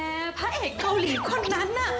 แต่พระเอกเกาหลีคนนั้นน่ะ